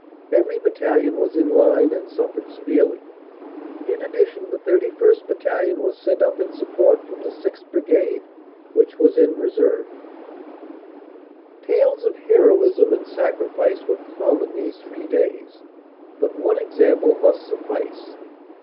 Every battalion was in line and suffered severely. In addition the 31st. Battalion was sent up in support from the 6th. Brigade, which was in reserve. OPERATIONS: AUG. 28 141 Tales of heroism and sacrifice were common these three days, but one example must suffice.